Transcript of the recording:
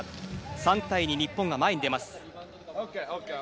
３対２、日本が前に出ます。